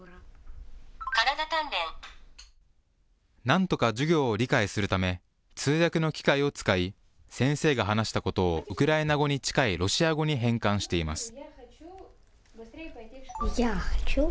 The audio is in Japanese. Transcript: なんとか授業を理解するため、通訳の機械を使い、先生が話したことをウクライナ語に近いロシア語に変換しています。